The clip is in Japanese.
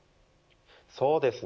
そうですね。